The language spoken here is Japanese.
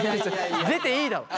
出ていいだろ。